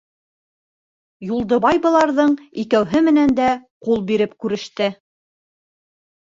Юлдыбай быларҙың икәүһе менән дә ҡул биреп күреште.